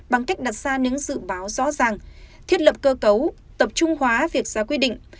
bằng cách đặt ra những dự báo rõ ràng thiết lập cơ cấu tập trung hóa việc ra quy định